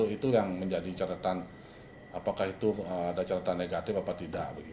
itu yang menjadi catatan apakah itu ada catatan negatif atau tidak